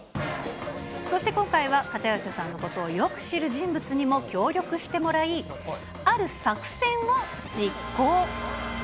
そして今回は片寄さんのことをよく知る人物にも協力してもらい、ある作戦を実行。